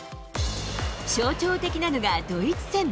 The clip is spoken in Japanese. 象徴的なのがドイツ戦。